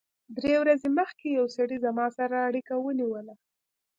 درې ورځې مخکې یو سړي زما سره اړیکه ونیوله